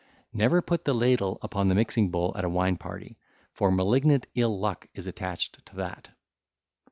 744 745) Never put the ladle upon the mixing bowl at a wine party, for malignant ill luck is attached to that.